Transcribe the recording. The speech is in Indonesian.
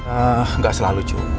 enggak selalu cu